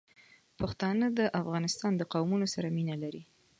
پښتانه د افغانستان د قومونو سره مینه لري.